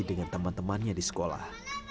dengan teman temannya di sekolah